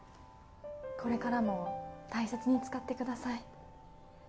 これからも大切に使ってください。